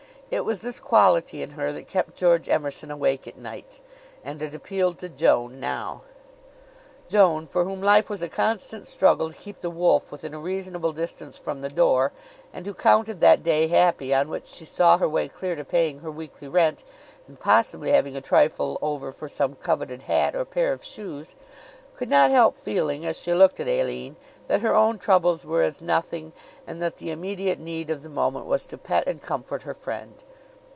It was this quality in her that kept George Emerson awake at nights; and it appealed to Joan now. Joan, for whom life was a constant struggle to keep the wolf within a reasonable distance from the door, and who counted that day happy on which she saw her way clear to paying her weekly rent and possibly having a trifle over for some coveted hat or pair of shoes, could not help feeling, as she looked at Aline, that her own troubles were as nothing, and that the immediate need of the moment was to pet and comfort her friend.